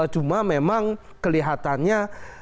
cuma memang kelihatannya